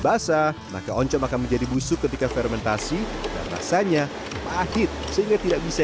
basah maka oncom akan menjadi busuk ketika fermentasi dan rasanya pahit sehingga tidak bisa